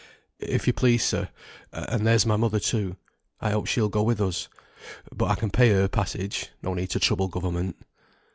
"If you please, sir. And there's my mother, too. I hope she'll go with us. But I can pay her passage; no need to trouble government."